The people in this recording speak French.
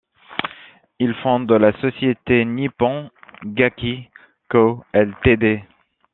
Il fonde la société Nippon Gakki Co., Ltd.